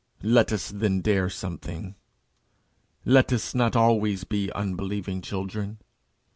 Let us then dare something. Let us not always be unbelieving children.